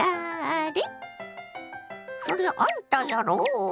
そりゃあんたやろ。